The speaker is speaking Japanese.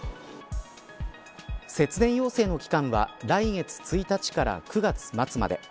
節電要請の期間は来月１日から９月末まで。